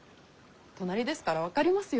隣ですから分かりますよ。